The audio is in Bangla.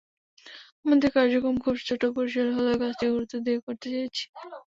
আমাদের কার্যক্রম খুব ছোট পরিসরে হলেও, কাজটি গুরুত্ব দিয়ে করতে চেয়েছি।